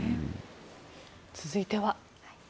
続いては。